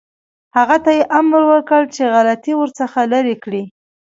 هغه ته یې امر وکړ چې غلطۍ ورڅخه لرې کړي.